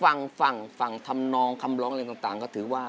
ฟังฝั่งทำนองคำร้องอะไรต่างก็ถือว่า